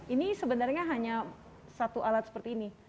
ini sebenarnya hanya satu alat seperti ini